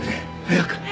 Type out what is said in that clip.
早く！